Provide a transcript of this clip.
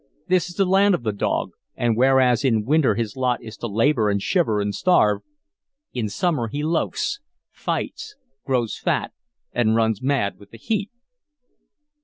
This is the land of the dog, and whereas in winter his lot is to labor and shiver and starve, in summer he loafs, fights, grows fat, and runs mad with the heat.